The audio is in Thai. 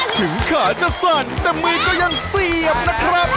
ถึงขาจะสั่นแต่มือก็ยังเสียบนะครับ